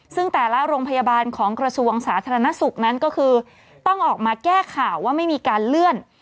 ซึ่งแต่ละโรงพยาบาลของกระทรวงสาธารณสุขนั้นก็คือต้องออกมาแก้ข่าวว่าไม่มีการเลื่อน